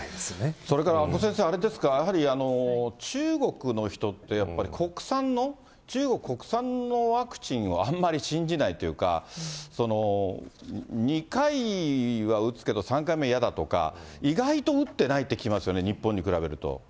それから阿古先生、やっぱりあれですか、中国の人って、やっぱり国産の、中国国産のワクチンをあんまり信じないというか、２回は打つけど、３回目やだとか、意外と打ってないって聞きますよね、日本に比べると。